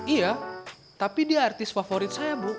iya tapi dia artis favorit saya bu